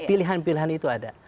pilihan pilihan itu ada